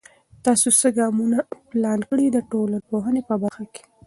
تاسې څه ګامونه پلان کړئ د ټولنپوهنې په برخه کې؟